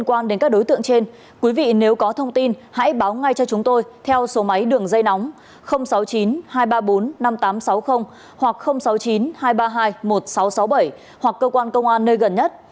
các đối tượng trên quý vị nếu có thông tin hãy báo ngay cho chúng tôi theo số máy đường dây nóng sáu mươi chín hai trăm ba mươi bốn năm nghìn tám trăm sáu mươi hoặc sáu mươi chín hai trăm ba mươi hai một nghìn sáu trăm sáu mươi bảy hoặc cơ quan công an nơi gần nhất